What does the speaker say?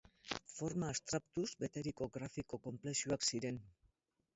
Forma abstraktuz beteriko grafiko konplexuak ziren.